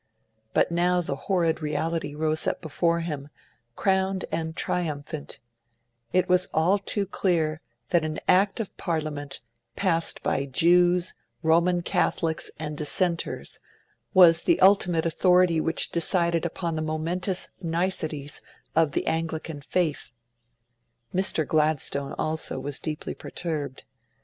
But now the horrid reality rose up before him, crowned and triumphant; it was all too clear that an Act of Parliament, passed by Jews, Roman Catholics, and Dissenters, was the ultimate authority which decided upon the momentous niceties of the Anglican faith. Mr. Gladstone also, was deeply perturbed.